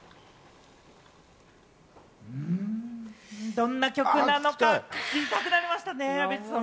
どんな曲なのか、聴きたくなりましたね。